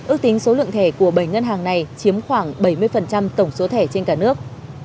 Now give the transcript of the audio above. ước tính số lượng thẻ của bảy ngân hàng này chiếm khoảng bảy mươi tổng số thẻ trên cả nước